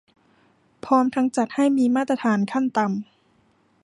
พร้อมทั้งจัดให้มีมาตรฐานขั้นต่ำ